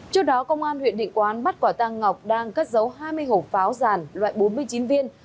trước đó công an huyện định quán bắt quả tàng ngọc đang cất giấu hai mươi hồ pháo ràn loại bốn mươi chín viên